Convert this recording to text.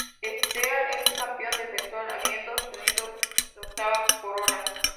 Esteghlal es el campeón defensor, habiendo obtenido su octava corona.